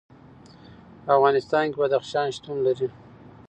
په افغانستان کې بدخشان شتون لري.